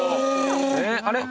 あれ？